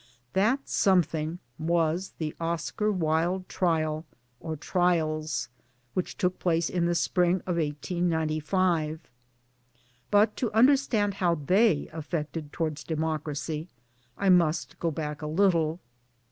That something was the Oscar Wilde trial or trials, which took place in the spring of 1895 ; but to understand how they affected Towards Democracy I must go back a little.